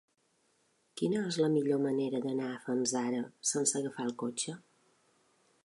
Quina és la millor manera d'anar a Fanzara sense agafar el cotxe?